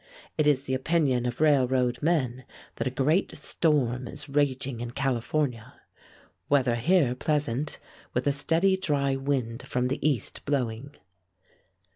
It is the opinion of railroad men that a great storm is raging in California. Weather here pleasant, with a steady, dry wind from the east blowing.